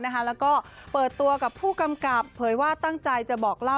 ติดตามกันค่ะ